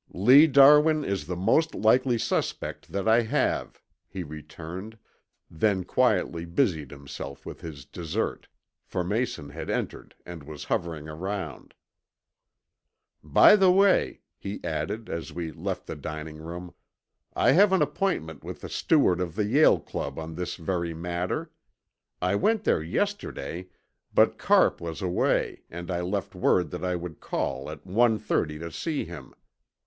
"Lee Darwin is the most likely suspect that I have," he returned, then quietly busied himself with his dessert, for Mason had entered and was hovering around. "By the way," he added, as we left the dining room, "I have an appointment with the steward of the Yale Club on this very matter. I went there yesterday but Carpe was away and I left word that I would call at one thirty to see him.